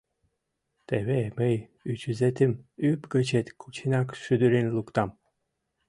Теве мый ӱчызетым ӱп гычет кученак шӱдырен луктам.